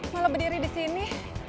malah berdiri disini